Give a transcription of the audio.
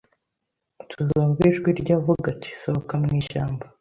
tuzumva ijwi rye Avuga ati Sohoka mu ishyamba